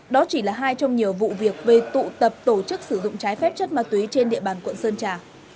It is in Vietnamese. đó chỉ là hai trong nhiều vụ việc về tụ tập tổ chức sử dụng trái phép chất ma túy trên địa bàn quận sơn trà